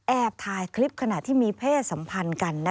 แอบถ่ายคลิปขณะที่มีเพศสัมพันธ์กัน